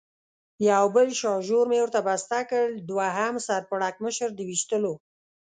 یو بل شاژور مې ورته بسته کړ، دوهم سر پړکمشر د وېشتلو.